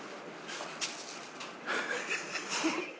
ハハハ！